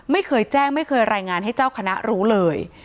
ไม่เคยแจ้งไม่เคยรายงานให้เจ้าคณะรู้เลย